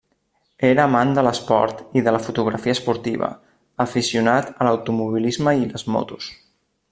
Era amant de l'esport i de la fotografia esportiva, aficionat a l'automobilisme i les motos.